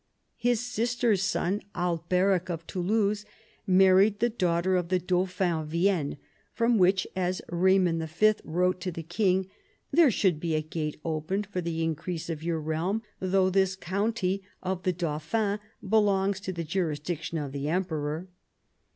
His sister's son, Alberic of Toulouse, married the daughter of the dauphin of Vienne, from which, as Eaymond V. wrote to the king, "there should be a gate opened for the increase of your realm, though this county of the dauphin belongs to the jurisdiction of the emperor."